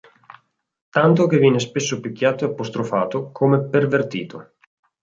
Tanto che viene spesso picchiato e apostrofato come pervertito.